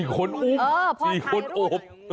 ๔คนอุ้ม๔คนโอบ